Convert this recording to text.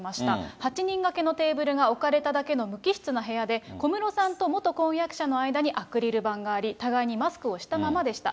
８人がけのテーブルが置かれただけの無機質な部屋で小室さんと元婚約者の間にアクリル板があり、互いにマスクをしたままでした。